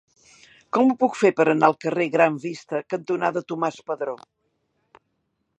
Com ho puc fer per anar al carrer Gran Vista cantonada Tomàs Padró?